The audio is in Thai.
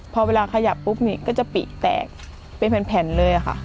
พอเวลาขยับปุ๊บนี่ก็จะปีกแตกเป็นแผ่นเลยค่ะ